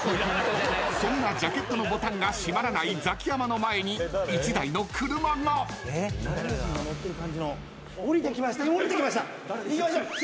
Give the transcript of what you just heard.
［そんなジャケットのボタンが閉まらないザキヤマの前に１台の車が］行きましょう。